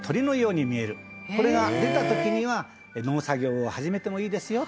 「これが出た時には農作業を始めてもいいですよという」